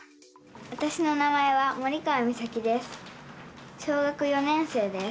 わたしの名前は森川実咲です。